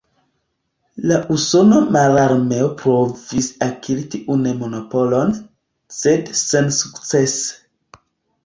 La Usona Mararmeo provis akiri tiun monopolon, sed sensukcese.